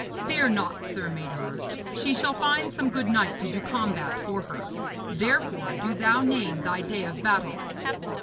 Fear not, Sir Mador, she shall find some good knight to do combat for her. Therefore do thou name thy day of battle.'